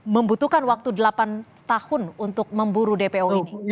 membutuhkan waktu delapan tahun untuk memburu dpo ini